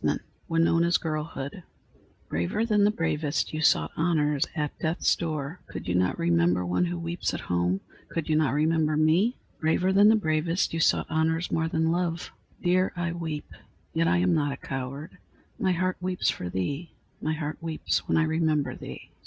II WINONA'S GIRLHOOD Braver than the bravest, You sought honors at death's door; Could you not remember One who weeps at home Could you not remember me? Braver than the bravest, You sought honors more than love; Dear, I weep, yet I am not a coward; My heart weeps for thee My heart weeps when I remember thee!